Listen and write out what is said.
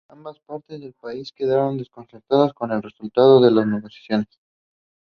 It is believed that Sambhaji Maharaj met Aurangzeb in this palace.